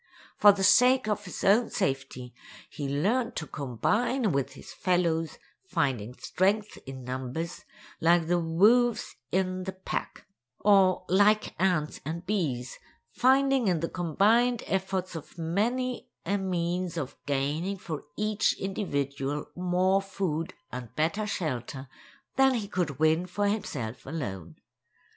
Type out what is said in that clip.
For the sake of his own safety, he learned to combine with his fellows, finding strength in numbers, like the wolves in the pack; or, like ants and bees, finding in the combined efforts of many a means of gaining for each individual more food and better shelter than he could win for himself alone.